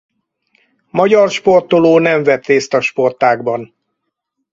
Magyar sportoló nem vett részt a sportágban.